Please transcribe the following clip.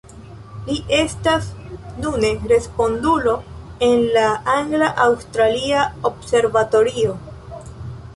Li estas nune responsulo en la Angla-Aŭstralia Observatorio.